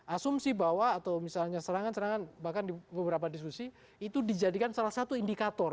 asumsi bahwa atau misalnya serangan serangan bahkan di beberapa diskusi itu dijadikan salah satu indikator